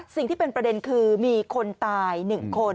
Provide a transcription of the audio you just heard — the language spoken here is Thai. สิ่งที่เป็นประเด็นคือมีคนตาย๑คน